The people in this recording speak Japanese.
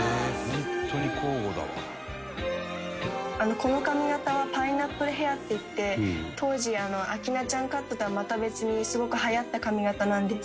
「この髪形はパイナップルヘアっていって当時明菜ちゃんカットとはまた別にすごくはやった髪形なんです」